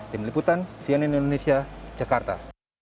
tim liputan cnn indonesia jakarta